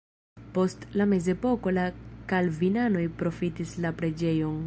Post la mezepoko la kalvinanoj profitis la preĝejon.